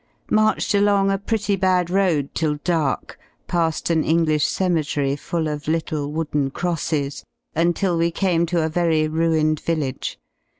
Marched along a pretty bad road till dark, pa^ an English Cemetery full of little wooden crosses, until we came to a very ruined village.